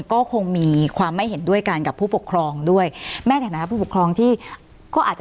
ก็คงมีความไม่เห็นด้วยกันกับผู้ปกครองด้วยแม่ฐานะผู้ปกครองที่ก็อาจจะ